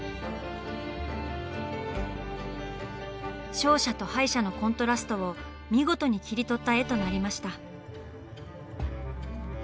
勝者と敗者のコントラストを見事に切り取った絵となりました。